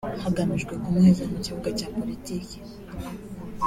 hagamijwe kumuheza mu kibuga cya politiki